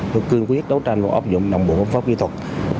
tôi cương quyết đấu tranh và áp dụng đồng bộ pháp kỹ thuật